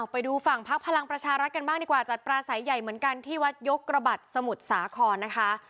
ไปดูฝั่งพักพลังประชารัฐกันบ้างดีกว่าจัดปลาสายใหญ่เหมือนกันที่วัดยกระบัดสมุทรสาครนะคะ